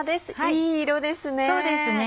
いい色ですね。